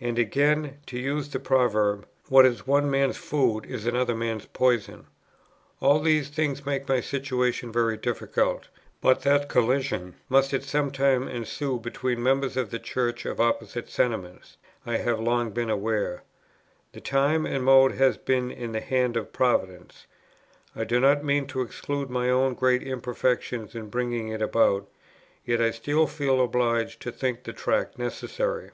And again (to use the proverb) what is one man's food is another man's poison. All these things make my situation very difficult. But that collision must at some time ensue between members of the Church of opposite sentiments, I have long been aware. The time and mode has been in the hand of Providence; I do not mean to exclude my own great imperfections in bringing it about; yet I still feel obliged to think the Tract necessary."